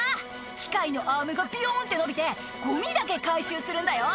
「機械のアームがビヨンって伸びてゴミだけ回収するんだよ